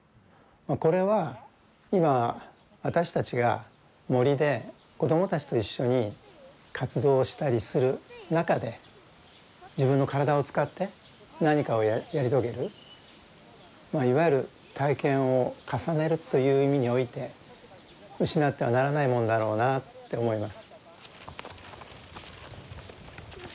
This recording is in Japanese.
これは今私たちが森で子どもたちと一緒に活動したりする中で自分の体を使って何かをやり遂げるいわゆる体験を重ねるという意味において失ってはならないもんだろうなって思います。